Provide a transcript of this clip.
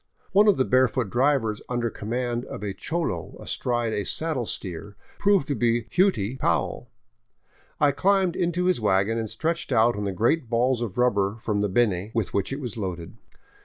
One of the barefoot drivers under command of a cholo astride a saddle steer proved to be *' Hughtie '* Powell. I climbed into his wagon and stretched out on the great balls of rubber from the Beni with which it was loaded.